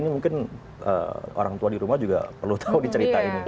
ini mungkin orang tua di rumah juga perlu tahu diceritain